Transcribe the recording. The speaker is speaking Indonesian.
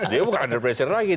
dia bukan under pressure lagi